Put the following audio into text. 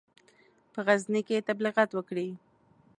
په غزني کې تبلیغات وکړي.